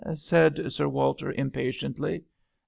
said Sir Walter, impatiently.